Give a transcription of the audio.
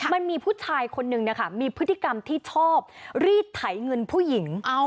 มันมีผู้ชายคนนึงมีพฤติกรรมที่ชอบรีดไถเงินผู้หญิง